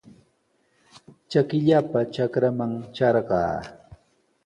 Trakillapa trakraman trarqaa.